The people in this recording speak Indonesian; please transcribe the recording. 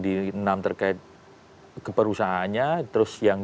di enam terkait keperusahaannya terus yang